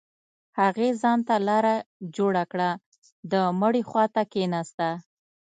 هغې ځان ته لاره جوړه كړه د مړي خوا ته كښېناسته.